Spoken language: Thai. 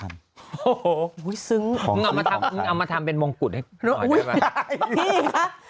มึงเอามาทำเป็นมงกุฎให้หน่อยได้ไหม